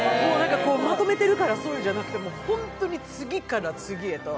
まとめてるからじゃなくて、本当に次から次へと。